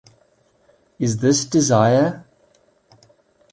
Is This Desire?